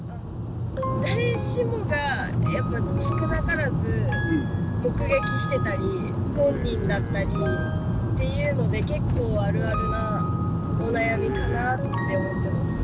誰しもがやっぱ少なからず目撃してたり本人だったりっていうので結構あるあるなお悩みかなって思ってますね。